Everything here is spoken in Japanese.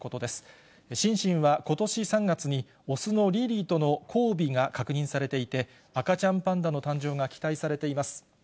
シンシンは、ことし３月に雄のリーリーとの交尾が確認されていて、赤ちゃんパンダの誕生が期待されています。